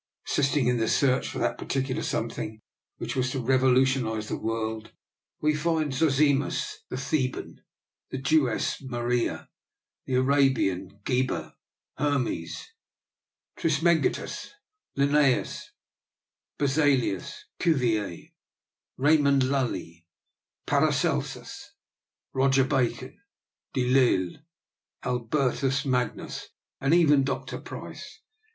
Assisting in the search for that particular something which was to revolu tionise the world, we find Zosimus the The ban, the Jewess Maria, the Arabian Geber, Hermes Trismegistus, Linnaeus, Berzelius, Cuvier, Raymond Lully, Paracelsus, Roger Bacon, De Lisle, Albertus Magnus, and even Dr. Price.